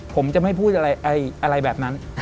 ผมจะไม่พูดอะไรแบบนั้น